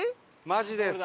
マジです。